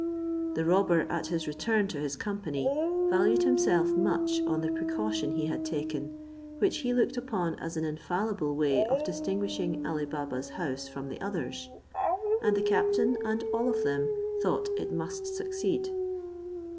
The robber, at his return to his company, valued himself much on the precaution he had taken, which he looked upon as an infallible way of distinguishing Ali Baba's house from the others; and the captain and all of them thought it must succeed.